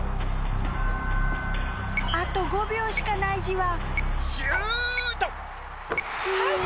あと５秒しかないじわ。